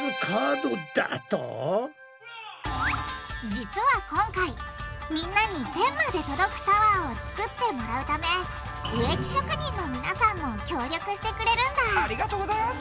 実は今回みんなに天まで届くタワーを作ってもらうため植木職人のみなさんも協力してくれるんだありがとうございます！